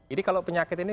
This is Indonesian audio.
ini kalau penyakit ini